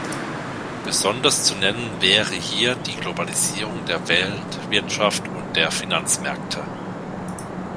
Besonders zu nennen wäre hier die Globalisierung der Weltwirtschaft und der Finanzmärkte.